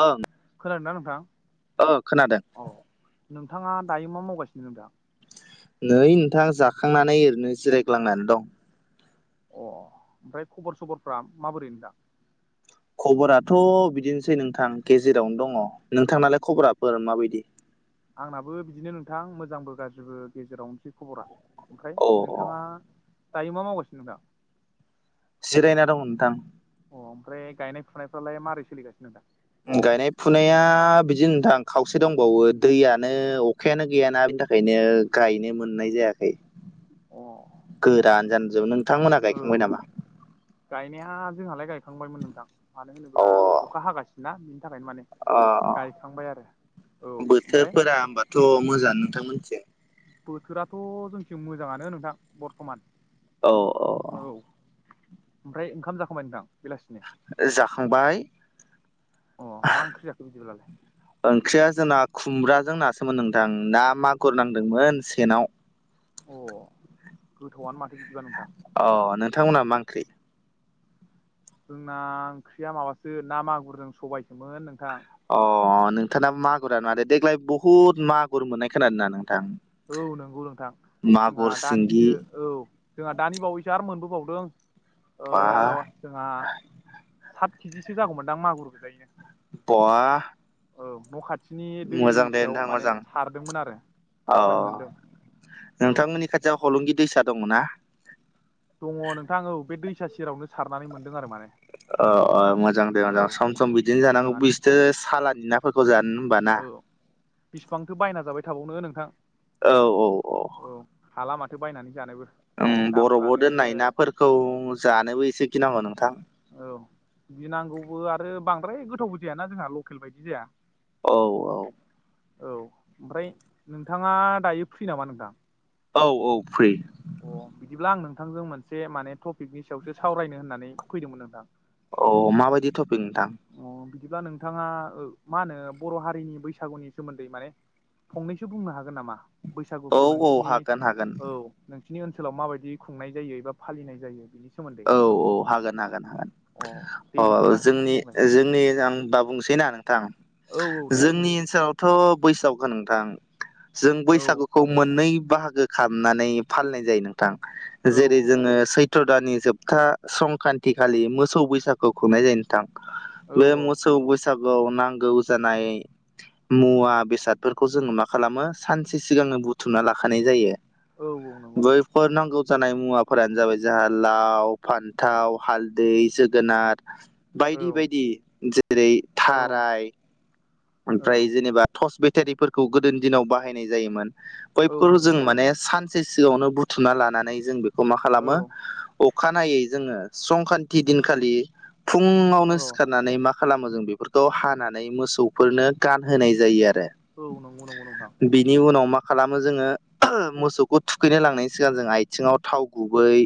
ओं खोनादों ना ओ खोनादों नोंथां औ नोंथाङा दायो मा मावगासिनो नोंथां नै नोंथां जाखांनानै ओरैनो जिरायग्लांनानै दं अ ओमफ्राय खबर सबरफ्रा माबोरै नोंथां खबराथ' बिदिनोसै नोंथां गेजेरावनो दङ नोंथांनालाय खबरा बोर माबायदि आंनाबो बिदिनो नोंथां मोजांबो गाज्रिबो गेजेरावनोसै खबरा ओमफ्राय अ अ नोंथाङा दायो मा मावगासिनो नोंथां जिरायना दं नोंथां अ ओमफ्राय गायनाय फुनायफ्रालाय मारै सोलिगासिनो नोंथां गायनाय फुनाया बिदि नोंथां खावसे दंबावो दैयानो अखायानो गैयाना बेनि था ओंखायनो गायनो मोननाय जायाखै अ औ गोरान जानो जोबबो नोंथांमोनहा औ गायखांबाय नामा गायनाया जोंहालाय गायखांबायमोन नोंथां मानो अ होनोब्ला अखा हागा ना बिनि थाखायनो माने अ गायखांबाय आरो औ ओमफ्राय बोथोरफोरा होमबाथ' मोजाङानो नोंथां मोनथिं बोथोराथ' जोंथिं मोजाङानो नोंथां बरथमान औ औ औ ओमफ्राय ओंखाम जाखांबाय नोंथां बेलासिनि जाखांबाय अ मा ओंख्रि जाखो बिदिब्लालाय ओंख्रिया जोंना खुमब्राजों नासोमोन नोंथां ना मागुर नांदोंमोन सेनाव अ गोथावआनो माथो बिदिबा नोंथां अ नोंथांमोनहा मा ओंख्रि जोंना ओंख्रिया माबासो ना मागुरजों सबायसोमोन नोंथां अ नोंथांनाबो मागुरानो माथो देग्लाय बुहुत मागुर मोननाय खोनादों ना नोंथां औ नंगौ नोंथां जोंहा मागुर सिंगि दानिसो औ जोंहा दानि बावैसो आरो मोनबोबावदों ओ बा जोंहा सात केजिसो जागौमोनदां मागुर गोजायनो बहा औ न' खाथि स्नि दे दुइसआव नोंथां माने मोजां सारदोंमोन आरो अ बावहाय मोनदों औ जा हलंगि दैसा दङ ना? दङ नोंथां औ बे दैसा सेरावनो सारनानै मोनदों आरो माने। अ अ मोजां दे औ मोजां सम सम बिदिनो जानांगौ मोजाङानो बिसथो सालानि नाफोरखौ जानो होनबा ना? औ बिसिबांथो बायना जाबाय थाबावनो नोंथां। औ औ हा लामाथो बायनानै जानोबो। बरफआव दामफ्रानो दोननाय नाफोरखौ जानोबो एसे गिनांगौ नोंथां। औ गिनांगौबो आरो बांद्राय गोथावबो जायाना जोंहा लकेल बायदि जाया। औ औ औ ओमफ्राय नोंथाङा दायो फ्रि नामा नोंथां? औ औ फ्रि अ बिदिब्ला आं नोंथांजों मोनसे माने टपिकनि सायावसो सावरायनो होननानै फैदोंमोन नोंथां। अ माबायदि थफै नोंथां? अ बिदिब्ला नोंथाङा मा होनो बर' हारिनि बैसागुनि सोमोन्दै माने फंनैसो बुंनो हागोन नामा औ बैसागुखौ औ नोंसिनि हागोन हागोन औ नोंसिनि ओनसोलाव माबायदि खुंनाय जायो एबा फालिनाय जायो बिनि? सोमोन्दै औ औ हागोन हागोन हागोन अ दे औ बिदिब्ला जोंनि बुंलाय जोंनि आं ब बुंसैनाा नोंथां औ औ दे जोंनि ओनसोलाव थ' बैसागख नोंथां जों औ बैसागु खौ मोननै बाहागो खालामनानै फालिनाय जायो नोंथां औ जेरै जोङो सैथ सत्र दानानि जोबथा संक्रान्ति खालि मोसौ बैसागु खुंनाय जायो नोंथां। औ बे औ मोसौ बैसागुआव नांगौ जानाय मुवा बेसादफोरखौ जोङो मा खालामो सानसे सिगांनो बुथुमना लाखानाय जायो। औ औ नंगौ नंगौ फोर नांगौ जानाय मुवाफोरानो जाबाय जोंहा लाव फान्थाव हालदै जोगोनार औ बायदि बायदि जेरै औ थाराय ओमफ्राय औ जेनेबा टर्स बेटारिफोरखौ गोदोनि दिनाव बाहायनाय जायोमोन। औ बयखौ नंगौ जों नंगौ माने सानसे सिगाङावनो बुथुमना लानानै जों बेखौ मा औ खालामो? अ खानायै जोङो संक्रान्ति दिनखालि फुङावनो औ सिखारनानै मा खालामो जों बेफोरखौ हानानै मोसौफोरनो गानहोनाय जायो आरो। औ नंगौ नंगौ नोंथां। बिनि उनाव मा खालामो जोङो मोसौखौ थुखैनो लांनायनि सिगां जों आथिङाव थाव गुबै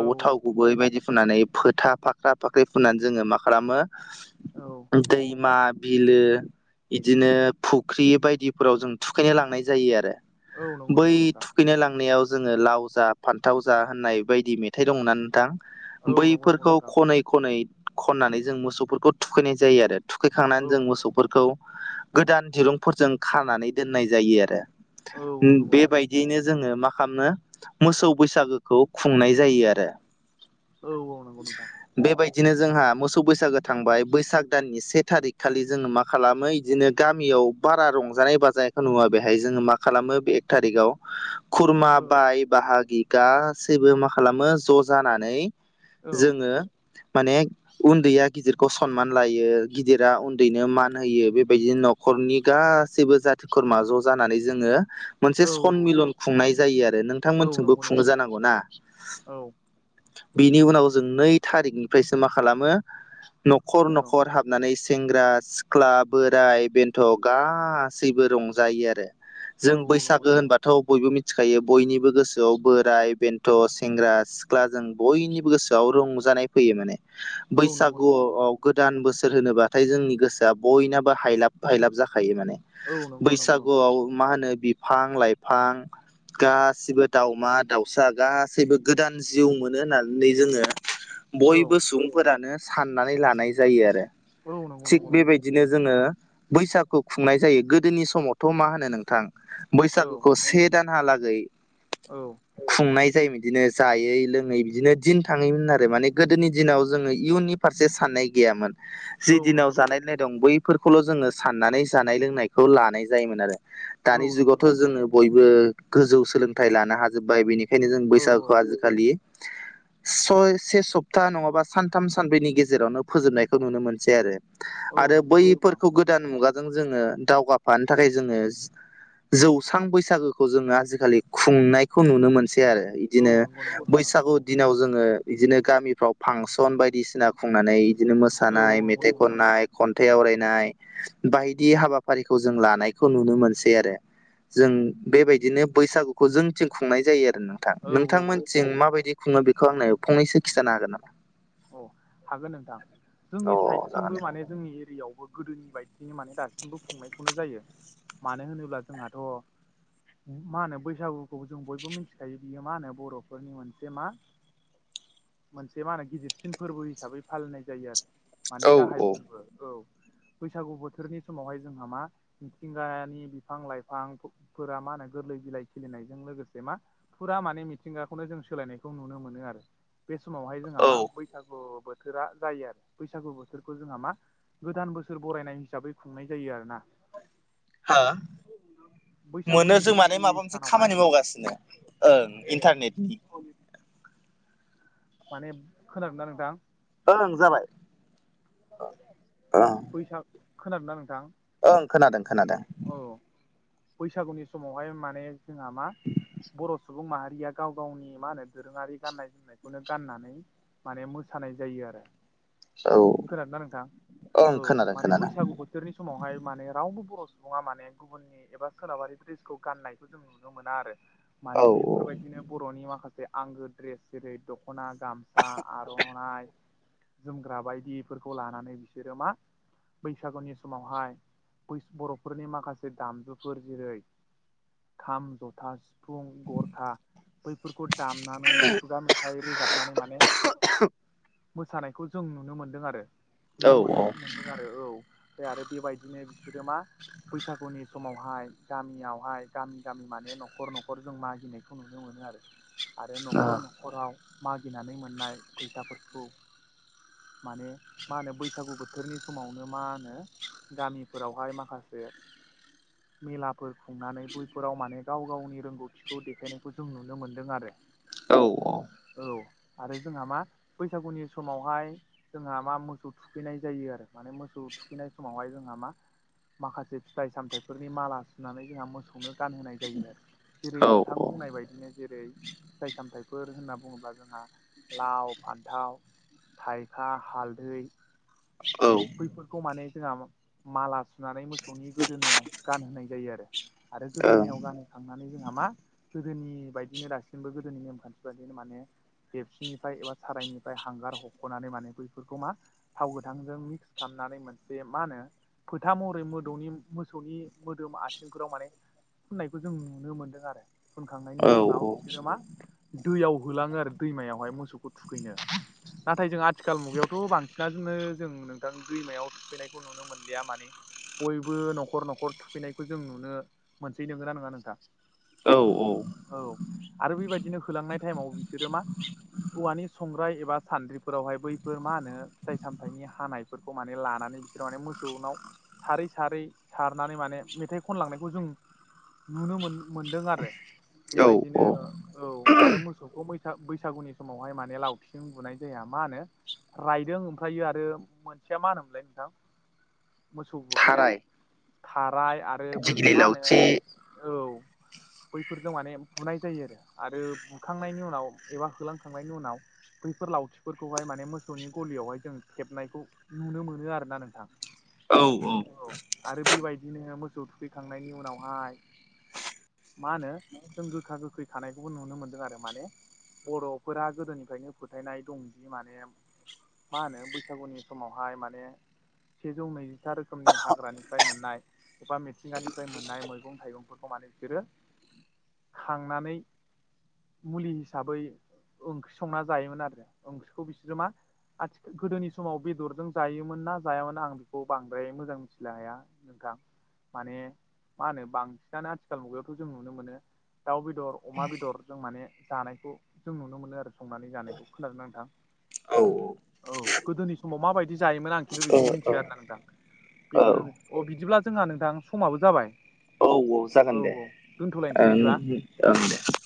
औ थाव गुबै बेबायदि फुननानै फोथा फाख्रा फाख्रि फुननानै जोङो मा खालामो? औ दैमा बिलो बिदिनो फुख्रि बायदिफोराव जों थुखैनो लांनाय जायो आरो। औ नंगौ बै नंगौ नोंथां थुखैनाय लांनायाव जोङो लाव फान्थाव जा होननाय बायदि मेथाइ दंना नोंथां औ नंगौ नंगौ बैफोरखौ नोंथां खनै खनै खननानै जों मोसौफोरखौ थुखैनाय जायो आरो औ थुखैखांनानै जों नंगौ मोसौ नोंथां खौ गोदान दिरुंफोरजों खानानै दोननाय जायो आरो। औ औ नंगौ नोंथां बेबायदियैनो जोङो मा खालामनो मोसौ बैसागोखौ खुंनाय जायो आरो। औ औ नंगौ नोंथां। बेबायदिनो जोंहा मोसौ बैसागो थांबाय बैसाग दाननि से थारिख खालि जोङो माखासे खालामो बिदिनो गामियाव बारा रंजानाय बाजानायखौ नुवा बेहाय जोङो मा खालामो बे एक थारिकाव खुरमा औ बाय बाहागि गासैबो मा खालामो ज' जानानै औ जोङो माने उन्दैया गिदिरखौ सनमान लायो गिदिरा उन्दैनो मान होयो बेबायदिनो न'खरनि गासैबो जाथि खुरमा ज' जानानै जोङो मोनसे औ सनमिलन खुंनाय जायो आरो औ नोंथांमोनसिजोंबो नंगौ नंगौ खुंनो नोंथां जानांगौ ना औ बेनि उनाव जों नै थारिखनिफ्रायसो मा खालामो न'खर औ न'खर हाब ाबनानै सेंग्रा सिख्ला बोराय बेन्थ' गासैबो रंजायो आरो औ जों औ नंगौ बैसागो नंगौ होनबाथाय थ बयबो मिथिखायो बयनिबो गोसोआव बोराय बेन्थ' सेंग्रा सिख्ला जों बयनिबो गोसोआव रंजानाय फैयो माने औ नंगौ नंगौ नोंथां बैसागुआव गोदान बोसोर होनोबाथाय जोंनि गोसो दा बयनाबो हायलाब हायलाब जाखायो माने औ नंगौ नंगौ नोंथां बैसागुआव मा होनो बिफां लाइफां गासिबो दाावमा दाउसा गासैबो गोदान जिउ मोनो होननानै जोङो [inaudible] बयबो सुबुंफोरानो साननानै लानाय जायो आरो औ नंगौ नोंथां थिग नंगौ बेबायदिनो जोङो बैसागु खुंनाय जायो गोदोनि समावथ' मा होनो नोंथां औ बैसागुखौ से दानहालागै औ खुंनाय जायोमोन बिदिनो जायै लोङै बिदिनो दिन थाङोमोन आरो माने गोदोनि दिनाव जोङो इयुननि फारसे साननाय गैयामोन जि औ दिनाव नंगौ नंगौ जानाय लोंनाय दं बैफोरखौल' जोङो साननानै जानाय लोंनायखौ लानाय जायोमोन आरो औ दानि नंगौ जुगावथ' नंगौ नोंथां जोङो बयबो गोजौ सोलोंथाइ लानो हाजोब्बाय बेनिखायनो बेनो जों औ औ बैसागु आजिखालि [inaudible] सय से सप्ता नङाबा सानथाम सानब्रैनि गेजेरावनो फोजोबनायखौ नुनो मोनसै आरो औ आरो नंगौ नंगौ नोंथां बैफोरखौ गोदान मुगाजों जोङो दावगाफानो थाखाय जोङो जौस्रां बैसागोखौ जोङो आजिखालि खुंनायखौ नुनो मोनसै आरो औ बिदिनो नंगौ नंगौ नोंथां बैसागु दिनाव जोङो बिदिनो गामिफ्राव फांसन बायदिसिना खुंनानै बिदिनो औ मोसानाय नंगौ नंगौ मेथाइ खननाय नोंथां खन्थाइ आवरायनाय बायदि हाबाफारिखौ जों लानायखौ नुनो मोनसै आरो जों बेबायदिनो बैसागुखौ जोंथिं खुंनाय जायो आरो ना औ नोंथां औ औ नोंथांमोनसिं माबायदि खुङो बेखौ आंनो फंनैसो खिथानो हागोन नामा औ हागोन नोंथां जोंनि अ जागोन साइडथिंबो दे माने जोंनि एरियायावबो गोदोनि बायदियैनो माने दासिमबो खुंनायखौनो जायो मानो होनोब्ला जोंहाथ' मा होनो बैसागुखौ जों बयबो मिथिखायो बियो मा होनो बर'फोरनि मोनसे मा मोनसे मा होनो गिदिरसिन फोरबो हिसाबै फालिनाय जायो आरो माने गाहाय फोरबो औ बैसागु बोथोरनि समावहाय जोंहा मा मिथिंगानि बिफां लाइफांफोरा मा होनो गोरलै बिलाइ खिलिनायजों लोगोसे मा फुरा माने मिथिंगाखौनो जों सोलायनायखौ नुनो मोनो आरो बे समावहाय जोंहा औ मा बै बैसागु बोथोरा जायो आरो बैसागु बोथोरखौ जोंहा मा गोदान बोसोर बरायनाय हिसाबै खुंनाय जायो आरोना मोनो बैसागुनि जों गिबि माने माबा मोनसे सानावहाय खामानि मावगासिनो ओं इन्टारनेटनि माने खोनादों ना नोंथां ओं जाबाय ओं बैसाागु खोनादों ना नोंथां ओं खोनादों खोनादों औ बैसागुनि समावहाय माने जोंहा मा बर' सुबुं माहारिया गाव गावनि मा होनो दोरोङारि गाननाय जोमनायखौनो गाननानै माने मोसानाय जायो आरो औ खोनादोंना नोंथां ओं औ खोनादों माने खोनादों बैसागु बोथोरनि समावहाय माने रावबो बर' सुबुङा माने गुबुननि एबा सोनाबारि द्रेसखौ गाननायखौ जों नुनो मोना आरो माने औ बेफोरबायदि बिदिनो बर'नि माखासे आंगो ड्रेस जेरै दख'ना गामसा आर'नाइ जोमग्रा बायदिफोरखौ लानानै बिसोरो मा बैसागुनि समावहाय बर' फोरनि माखासे दामजुफोर जेरै खाम जथा फुं गरखा बैफोरखौ दामनानै खुगा मेथाइ रोजाब माने मोसानायखौ जों नुनो मोनदों आरो औ नुनो मोन मोनदों आरो औ ओमफ्राय आरो बेबायदिनो बिसोरो मा बैसागुनि समावहाय गामियावहाय गामि गामि माने न'खर न'खर जों मागिनायखौ नुनो मोनो आरो आरो न'खर न'खराव मागिनानै मोननाय फैसाफोरखौ माने मा होनो बैसागु बोथोरनि समावनो मा होनो गामिफोरावहाय माखासे मेलाफोर खुंनानै बैफोराव माने गाव गावनि रोंगौथिखौ देखायनायखौ जों नुनो मोन्दों आरो औ औ आरो जोंहा मा बैसागुनि समावहाय जोंहा मा मोसौ थुखैनाय जायो आरो माने मोसौ थुखैनाय समावहाय जोंहा मा माखासे फिथाइ सामथाइफोरनि माला सुनानै जोंहा मोसौनो गानहोनाय जायो आरो जेरै औ नोंथां बुंनाय बायदिनो जेरै फिथाइ सामथाइफोर होनना बुङोब्ला जोंहा लाव फान्थाव थाइखा हालदै औ बैफोरखौ माने जोंहा माला सुनानै मोसौनि गोदोनायाव गानहोनाय जायो आरो आरो औ गोदोनायाव गानो थांनानै जोंहा मा गोदोनि बायदिनो दासिमबो गोदोनि नेमखान्थि बायदिनो माने देबसिननिफ्राय एबा सारायनिफ्राय हांगार हख'नानै माने बैफोरखौ मा थाव गोथांजों मिक्स खालामनानै मोनसे मा होनो फोथा महरै म मोसौनि मोसौनि मोदोम आथिंफोराव माने फुननायखौ जों नुनो मोनदों आरो फोनखांनायनि औ उनाव बिसोरो मा दैयाव होलाङो आरो दैमायावहाय मोसौखौ थुखैनो नाथाय जों आथिखाल मुगायावथ' बांसिनजोंनो जों नोंथां दैमायाव थुखैनायखौ नुनो मोनलिया माने बयबो न'खर न'खर थुखैनायखौ जों नुनो मोनसै नंगौना नङा नोंथां औ औ औ आरो बेबायदिनो होलांनाय टाइमाव बिसोरो मा औवानि संग्राय एबा सान्द्रिफोरावहाय बैफोर मा होनो फिथाइ सामथाइनि हानाय बेफोरखौ माने लानानै बिसोर माने मोसौनाव सारै सारै सारनानै माने मेथाइ खनलांनायखौ जों नुनो मोनदों आरो औ बेबायदिनो औ औ आरो मोसौखौ बैसागुनि समावहाय माने लावथिं बुनाय जाया मा होनो रायदों ओमफ्रायो आरो मोनसेया मा होनोमोनलाय नोंथां मोसौ बुग्राया थाराय खाराय आरो बो दिग्लि मा लावथि होनो औ बैफोरजों माने बुनाय जायो आरो आरो बुखांनायनि उनाव एबा होलांखांनायनि उनाव बैफोर लावथिफोरखौहाय माने मोसौनि गलियावहाय जों खेबनायखौ नुनो मोनो आरोना नोंथां औ औ आरो बेबायदिनो मोसौ थुखैखांनायनि उनावहाय मा होनो जों गोखा गोखै खानायखौबो नुनो मोन्दों आरो माने बर'फोरा गोदोनिफ्रायनो फोथायनाय दंदि माने मा होनो बैसागुनि समावहाय माने सेजौ नै रोखोमनि हाग्रानिफ्राय मोननाय एबा मिथिंगानिफ्राय मोननाय मैगं थाइगंफोरखौ माने बिसोरो खांनानै मुलि हिसाबै ओंख्रि संना जायोमोन आरो ओंख्रिखौ बिसोरो मा आथिखाल गोदोनि समाव बेदरजों जायोमोन ना जायामोन आं बेखौ बांद्राय मोजां मिथिनो हाया नोंथां माने मा होनो बांसिनानो आथिखाल मुगायावथ' जों नुनो मोनो दाउ बेदर अमा बेदर जों माने जानायखौ जों नुनो मोनो आरो संनानै जानायखौ खोनादों नोंथां औ औ गोदोनि समाव माबायदि जायोमोन आं खिन्थु औ बेखौ औ मिन्थिया आरोना नोंथां औ बेदरजों अ बिदिब्ला जोंहा नोंथां समाबो जाबाय औ औ औ दोनथ'लायनोसै ओं बिदिबा औ दे